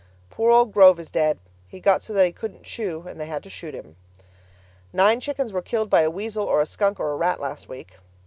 Poor old Grove is dead. He got so that he couldn't chew and they had to shoot him. Nine chickens were killed by a weasel or a skunk or a rat last week.